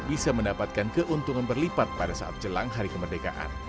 bisa mendapatkan keuntungan berlipat pada saat jelang hari kemerdekaan